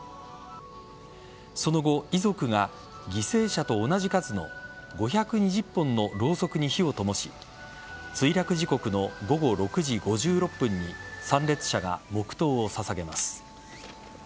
その後、遺族が犠牲者と同じ数の５２０本のろうそくに火を灯し墜落時刻の午後６時５６分に参列者が黙とうを捧げます。